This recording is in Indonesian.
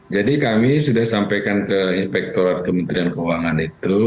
jadi kami sudah sampaikan ke inspektorat kementerian keuangan itu